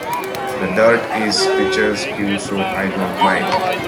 The dirt is picturesque, so I don't mind.